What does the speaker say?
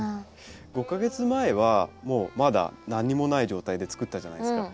５か月前はまだ何もない状態で作ったじゃないですか。